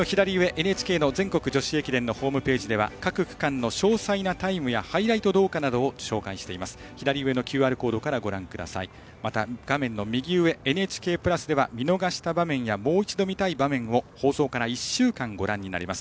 ＮＨＫの全国女子駅伝のホームページでは各区間の詳細なタイムやハイライト動画などを紹介しています。